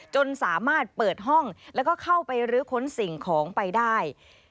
จนสามารถเปิดห้องแล้วก็เข้าไปรื้อค้นสิ่งของไปได้